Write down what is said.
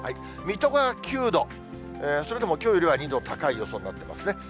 水戸が９度、それでもきょうよりは２度高い予想になってますね。